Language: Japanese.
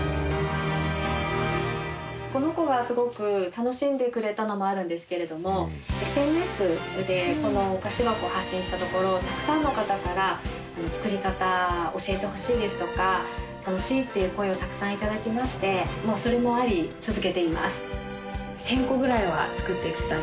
この子がすごく楽しんでくれたのもあるんですけれどもＳＮＳでこのお菓子箱を発信したところたくさんの方から作り方教えてほしいですとか楽しいっていう声をたくさん頂きましてそれもあり続けています。